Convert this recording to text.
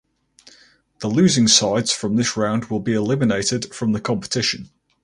The losing sides from this round will be eliminated from the competition.